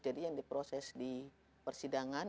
jadi yang diproses di persidangan